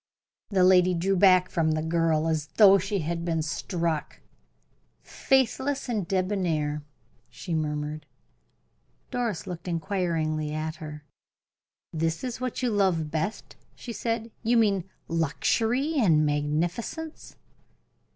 The lady drew back from the girl as though she had been struck. "Faithless and debonair," she murmured. Doris looked inquiringly at her. "This is what you love best?" she said. "You mean luxury and magnificence?"